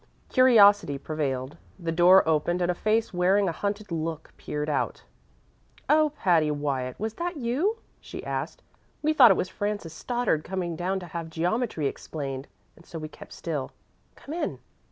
Curiosity prevailed; the door opened, and a face wearing a hunted look peered out. "Oh, Patty Wyatt, was that you?" she asked. "We thought it was Frances Stoddard coming down to have geometry explained, and so we kept still. Come in."